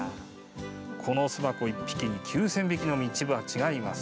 この巣箱一式に９０００匹のミツバチがいます。